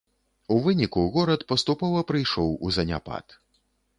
У выніку горад паступова прыйшоў у заняпад.